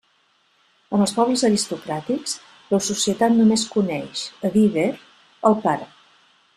En els pobles aristocràtics, la societat només coneix, a dir ver, el pare.